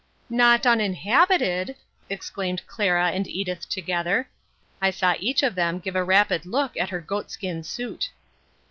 "Not uninhabited!" exclaimed Clara and Edith together. I saw each of them give a rapid look at her goatskin suit.